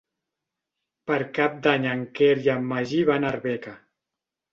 Per Cap d'Any en Quer i en Magí van a Arbeca.